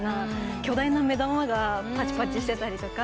巨大な目玉がぱちぱちしてたりとか。